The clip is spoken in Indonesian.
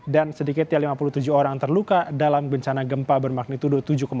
sedikitnya lima puluh tujuh orang terluka dalam bencana gempa bermagnitudo tujuh empat